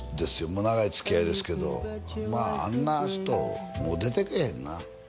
もう長いつきあいですけどあんな人もう出てけえへんな